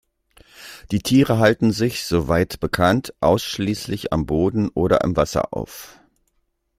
Die Tiere halten sich, soweit bekannt, ausschließlich am Boden oder im Wasser auf.